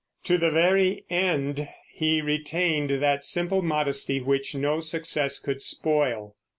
To the very end he retained that simple modesty which no success could spoil.